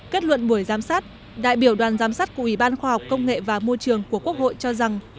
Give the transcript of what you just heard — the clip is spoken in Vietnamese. kết luận buổi giám sát đại biểu đoàn giám sát của ủy ban khoa học công nghệ và môi trường của quốc hội cho rằng